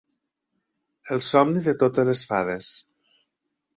El somni de totes les fades